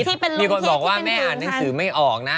ที่เป็นคนบอกว่าแม่อ่านหนังสือไม่ออกนะ